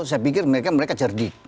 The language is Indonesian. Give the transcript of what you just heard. saya pikir mereka cerdik